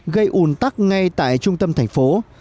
gây ủn tắc ngay tại trung tâm thành phố